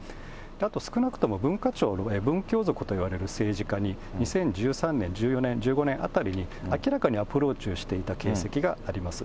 あと少なくとも文化庁、ぶんきょうぞくといわれる政治家に２０１３年、１４、１５年あたりに明らかにアプローチをしていた形跡があります。